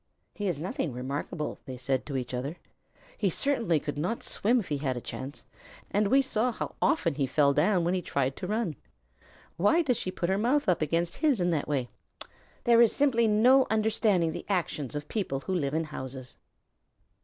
"He is nothing remarkable," they said to each other. "He certainly could not swim if he had a chance, and we saw how often he fell down when he tried to run. Why does she put her mouth up against his in that way? There is simply no understanding the actions of people who live in houses."